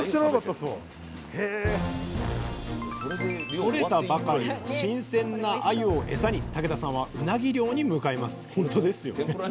取れたばかりの新鮮なあゆをエサに竹田さんはうなぎ漁に向かいます